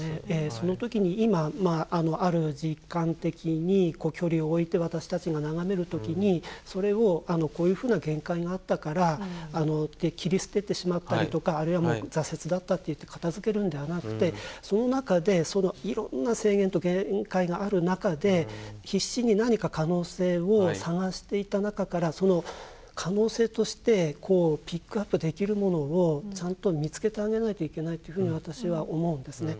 その時に今ある時間的に距離を置いて私たちが眺める時にそれをこういうふうな限界があったからって切り捨ててしまったりとかあるいは挫折だったっていって片づけるんではなくてその中でいろんな制限と限界がある中で必死に何か可能性を探していた中からその可能性としてこうピックアップできるものをちゃんと見つけてあげないといけないというふうに私は思うんですね。